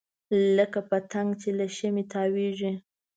لکه پتنګ چې له شمعې تاویږي.